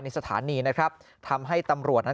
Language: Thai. สถานีนะครับทำให้ตำรวจนั้น